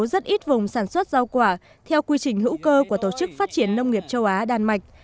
rất ít vùng sản xuất rau quả theo quy trình hữu cơ của tổ chức phát triển nông nghiệp châu á đan mạch